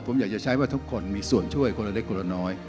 ผมอยากจะใช้ว่าทุกคนมีส่วนช่วยคนละเล็กคนละน้อย